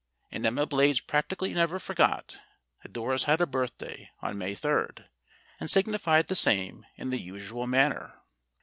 And Emma Blades practically never forgot that Doris had a birthday on May 3, and signified the same in the usual manner.